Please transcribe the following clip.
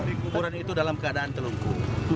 kumpulan itu dalam keadaan telungkup